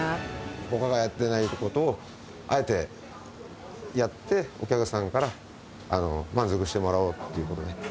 ほかがやってないことを、あえてやって、お客さんから満足してもらおうということで。